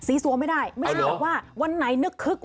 ซีซวมไม่ได้ไม่ใช่ว่าวันไหนนึกคึก